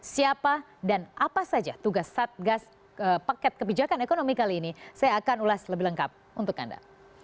siapa dan apa saja tugas satgas paket kebijakan ekonomi kali ini saya akan ulas lebih lengkap untuk anda